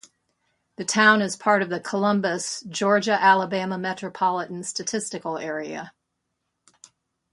The town is part of the Columbus, Georgia-Alabama Metropolitan Statistical Area.